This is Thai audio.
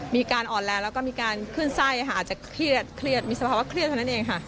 มีการอ่อนแรงแล้วก็มีการขึ้นไส้ค่ะอาจจะเครียดมีสภาวะเครียดเท่านั้นเองค่ะ